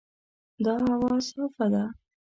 دا هوا صافه ده.